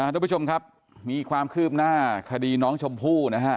ทุกผู้ชมครับมีความคืบหน้าคดีน้องชมพู่นะฮะ